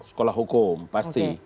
sekolah hukum pasti